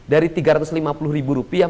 dari tiga ratus lima puluh ribu rupiah